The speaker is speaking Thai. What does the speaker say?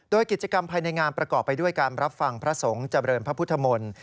โดยกิจกรรมภายในงานประกอบไปด้วยการรับฟังพระสงฆ์เจริญพระพุทธมนตร์